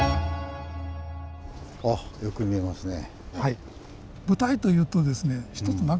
あっよく見えますね。